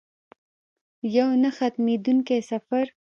یو نه ختمیدونکی سفر.